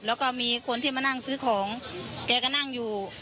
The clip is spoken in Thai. แล้วก็มีคนที่มานั่งซื้อของแกก็นั่งอยู่